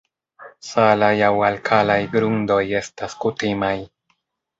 Salaj aŭ alkalaj grundoj estas kutimaj.